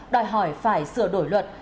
đòi hỏi phải sửa đổi luật